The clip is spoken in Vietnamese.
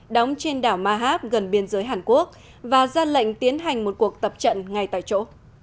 đóng trên đảo mahab gần biên giới hàn quốc và ra lệnh tiến hành một cuộc tập trận ngay tại chỗ